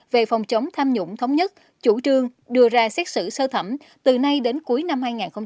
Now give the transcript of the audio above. về phòng chống tham nhũng thống nhất chủ trương đưa ra xét xử sơ thẩm từ nay đến cuối năm hai nghìn hai mươi